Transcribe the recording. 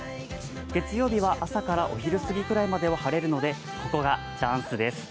月曜日は朝からお昼すぎぐらいは晴れるので、ここがチャンスです。